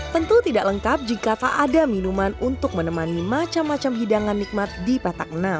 tentu tidak lengkap jika tak ada minuman untuk menemani macam macam hidangan nikmat di petak enam